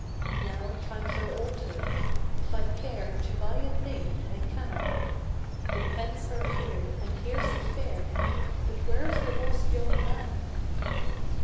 Now times are altered: if I care To buy a thing, I can; The pence are here and here's the fair, But where's the lost young man?